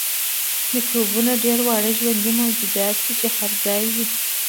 میکروبونه ډیر واړه ژوندي موجودات دي چې هر ځای وي